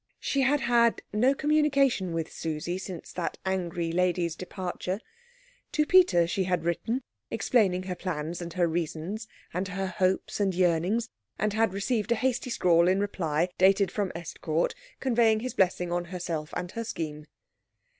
She had had no communication with Susie since that angry lady's departure. To Peter she had written, explaining her plans and her reasons, and her hopes and yearnings, and had received a hasty scrawl in reply dated from Estcourt, conveying his blessing on herself and her scheme.